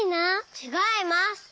ちがいます。